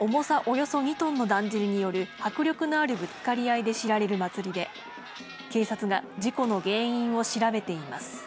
重さおよそ２トンのだんじりによる迫力のあるぶつかり合いで知られる祭りで、警察が事故の原因を調べています。